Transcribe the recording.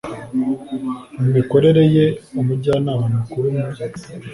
Mu mikorere ye Umujyanama Mukuru mu